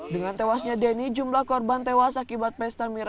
dengan tewasnya denny jumlah korban tewas akibat pesta miras